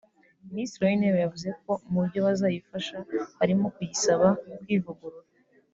Minisitiri w’intebe yavuze ko mu byo bazayifasha harimo kuyisaba kwivugurura